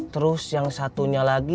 terus yang satunya lagi